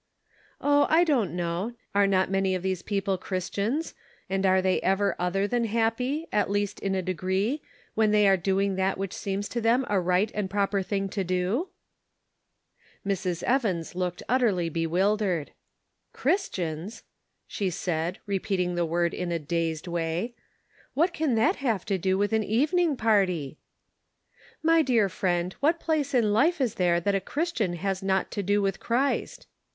" Oh, I don't know. Are not many of these people Christians, and are they ever other than 134 The Pocket Measure, happy, at least in a degree, when they are doing that which seems to them a right and proper thing to do ?" Mrs. Evans looked utterly bewildered. " Christians !" she said, repeating the word in a dazed way. " What can that have to do with an evening party ?"" My dear friend, what place in life is there that a Christian has not to do with Christ